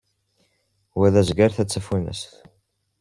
Wa d azger, ta d tafunast.